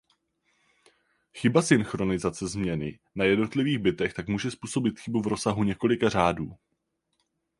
Chyba synchronizace změny na jednotlivých bitech tak může způsobit chybu v rozsahu několik řádů.